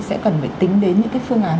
sẽ cần phải tính đến những cái phương án